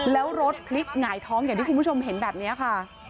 แล้วรถพลิกหงายท้องอย่างที่คุณผู้ชมเห็นแบบนี้ค่ะ